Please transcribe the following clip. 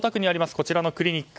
こちらのクリニック。